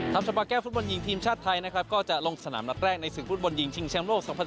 สปาแก้วฟุตบอลหญิงทีมชาติไทยนะครับก็จะลงสนามนัดแรกในศึกฟุตบอลหญิงชิงแชมป์โลก๒๐๑๖